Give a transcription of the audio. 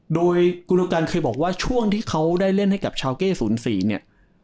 โดยกุโลกันเคยบอกว่าช่วงที่เขาได้เล่นให้กับชาวเก้๐๔เนี่ย